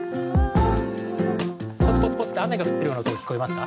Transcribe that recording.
ポツポツポツって雨が降ってるような音が聞こえますか？